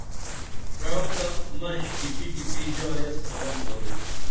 پرَعو تہ مش ٹپی ٹپی ژا ایس روَن درو